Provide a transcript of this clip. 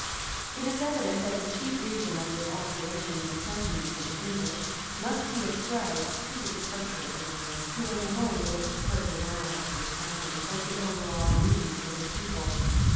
507] It is evident that the chief reason of this alteration in the sentiments of the English must be ascribed to the departure of William, who was alone able to curb the violence of his captains, and to overawe the mutinies of the people.